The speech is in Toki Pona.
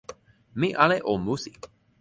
mi ale o musi.